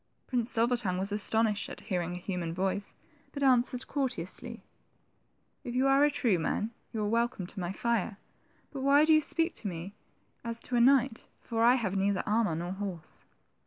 Prince Silver tongue was astonished at hearing a human voice, but answered courteously, ^^If you are 76 THE TWO PRINCES. a true man, you are welcome to my fire ; but why do you speak to me as to a knight ? for I have neither armor nor horse."